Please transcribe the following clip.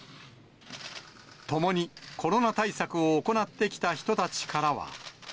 共にコロナ対策を行ってきた人たちからは。